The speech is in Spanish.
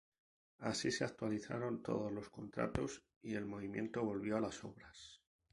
Así, se actualizaron todos los contratos y el movimiento volvió a las obras.